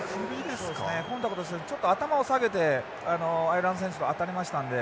コンタクトしている時ちょっと頭を下げてアイルランド選手と当たりましたので。